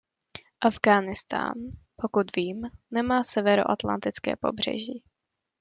Afghánistán, pokud vím, nemá severoatlantické pobřeží.